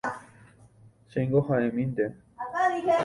Chéngo ha'emínte